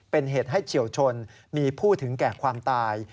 เป็นเหตุให้เฉียวชนมีผู้ถึงแก่ความตาย